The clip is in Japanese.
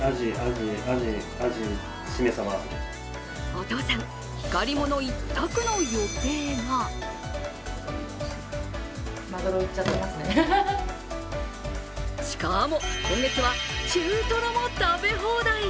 お父さん、光り物一択の予定がしかも、今月は中トロも食べ放題。